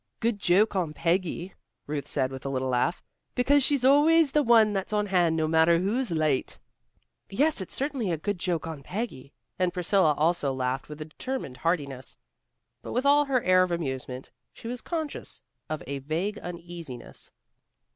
"Good joke on Peggy," Ruth said with a little laugh. "Because she's always the one that's on hand, no matter who's late." "Yes, it's certainly a joke on Peggy." And Priscilla also laughed with a determined heartiness. But with all her air of amusement, she was conscious of a vague uneasiness.